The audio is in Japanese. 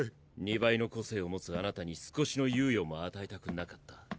二倍の個性を持つあなたに少しの猶予も与えたくなかった。